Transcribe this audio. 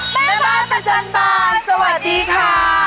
แม่บ้านประจันบานสวัสดีค่ะ